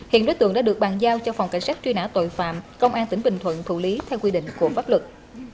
hiện đối tượng đã được bàn giao cho phòng cảnh sát truy nã tội phạm công an tỉnh bình thuận thủ lý theo quy định của pháp luật